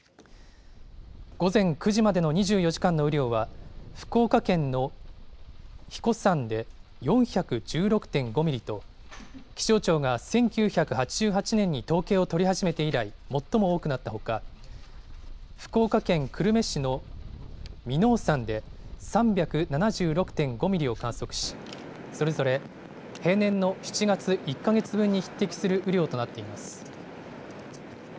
午前９時までの２４時間の雨量は福岡県の英彦山で４１６．５ミリと、気象庁が１９８８年に統計を取り始めて以来、最も多くなったほか、福岡県久留米市の耳納山で３７６．５ミリを観測し、それぞれ平年の７月１か月分に匹敵する雨量となっています。